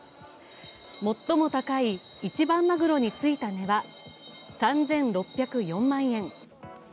最も高い、一番まぐろについた値は３６０４万円。